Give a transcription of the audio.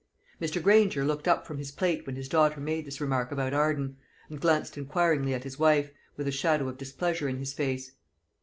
Mr. Granger looked up from his plate when his daughter made this remark about Arden, and glanced inquiringly at his wife, with a shadow of displeasure in his face.